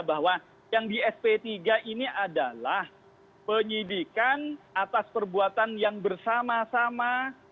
bahwa yang di sp tiga ini adalah penyidikan atas perbuatan yang bersama sama